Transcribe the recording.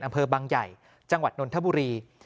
อำเภอบางใหญ่จังหวัดนนทบุรี